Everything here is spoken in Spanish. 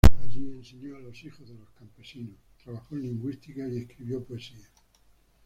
Allí enseño a los hijos de los campesinos, trabajó en lingüística y escribió poesía.